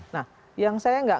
nah yang saya tidak